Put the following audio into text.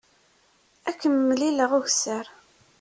Ad kem-mlileɣ ukessar.